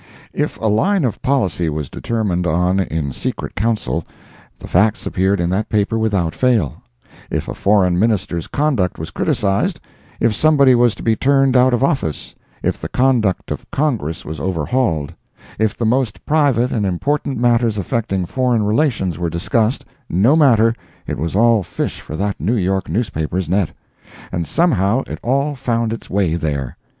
If a line of policy was determined on, in secret council, the facts appeared in that paper without fail; if a foreign Minister's conduct was criticised; if somebody was to be turned out of office; if the conduct of Congress was overhauled; if the most private and important matters affecting foreign relations were discussed—no matter, it was all fish for that New York newspaper's net; and somehow it all found its way there.